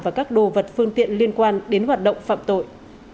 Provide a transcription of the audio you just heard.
và các đồ vật phương tiện liên quan đến hoạt động phạm tội